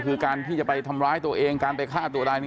คือการที่จะไปทำร้ายตัวเองการไปฆ่าตัวตาย